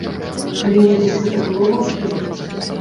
Калі-небудзь гэта было магчыма?